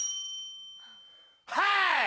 はい！